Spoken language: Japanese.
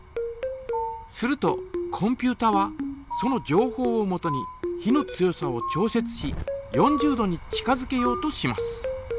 するとコンピュータはそのじょうほうをもとに火の強さを調節し４０度に近づけようとします。